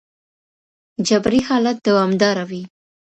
جبري حالت دوامداره وي.